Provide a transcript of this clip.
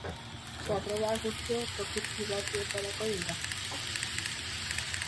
Sarrera guztiak toki pribatuetarako dira.